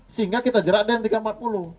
sehingga kita jerat dengan tiga ratus empat puluh